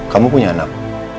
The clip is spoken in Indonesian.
kamu punya anak